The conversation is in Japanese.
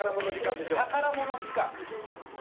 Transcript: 宝物時間。